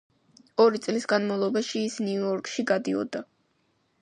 ორი წლის განმავლობაში ის ნიუ-იორკში გადიოდა.